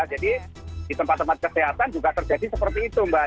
di tempat tempat kesehatan juga terjadi seperti itu mbak